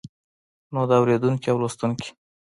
نو د اوريدونکي او لوستونکي